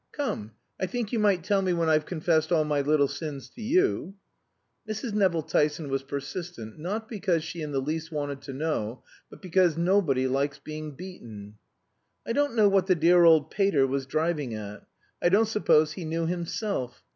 "Come, I think you might tell me when I've confessed all my little sins to you." Mrs. Nevill Tyson was persistent, not because she in the least wanted to know, but because nobody likes being beaten. "I don't know what the dear old pater was driving at. I don't suppose he knew himself.